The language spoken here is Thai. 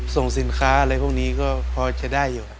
ส่งสินค้าอะไรพวกนี้ก็พอจะได้อยู่